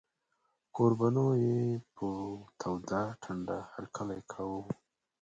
کوربنو یې په توده ټنډه هرکلی کاوه.